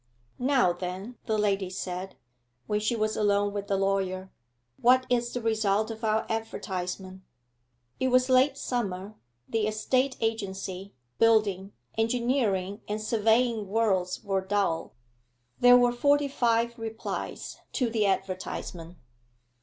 'Now then,' the lady said, when she was alone with the lawyer; 'what is the result of our advertisement?' It was late summer; the estate agency, building, engineering, and surveying worlds were dull. There were forty five replies to the advertisement.